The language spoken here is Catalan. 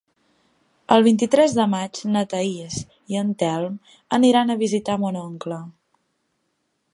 El vint-i-tres de maig na Thaís i en Telm aniran a visitar mon oncle.